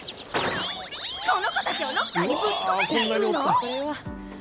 この子たちをロッカーにぶち込めっていうの？